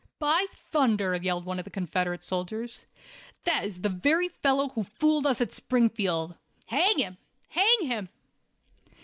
"By thunder!" yelled one of the Confederate soldiers, "that is the very fellow who fooled us at Springfield. Hang him! Hang him!"